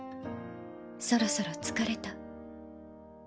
そろそろ疲れた。